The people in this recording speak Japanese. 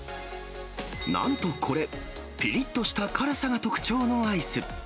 なんとこれ、ぴりっとした辛さが特徴のアイス。